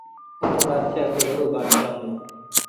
اُمر بآتشآه هڪڙو وڏو بآتشآه هُݩدو،